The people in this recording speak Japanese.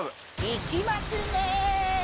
行きますね。